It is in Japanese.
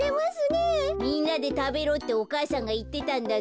みんなでたべろってお母さんがいってたんだぞ。